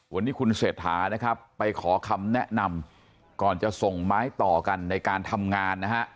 วันนี้คุณเศรษฐานะครับไปขอคำแนะนำก่อนจะส่งไม้ต่อกันในการทำงานนะฮะ